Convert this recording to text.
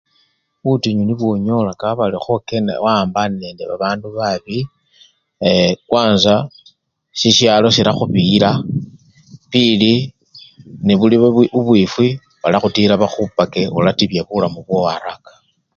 Butinyu nibwo nyola kabari khokenda wawambane nende babandu babi eee! kwanza sisyalo silakhubiyila pili nebuli bubwifwi, balakhutila bakhupake olatibya bulamu bwowo araka